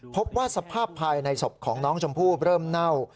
พบว่าสภาพภายในศพของน้องชมพู่เริ่มเน่า